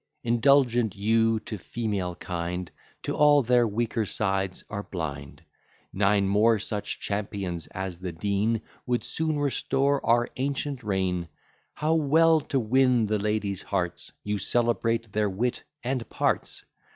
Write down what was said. Indulgent you to female kind, To all their weaker sides are blind: Nine more such champions as the Dean Would soon restore our ancient reign; How well to win the ladies' hearts, You celebrate their wit and parts!